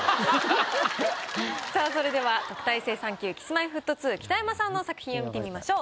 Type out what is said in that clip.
さあそれでは特待生３級Ｋｉｓ−Ｍｙ−Ｆｔ２北山さんの作品を見てみましょう。